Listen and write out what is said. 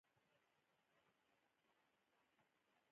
سلیمان غر د افغان کلتور په پخوانیو داستانونو کې راځي.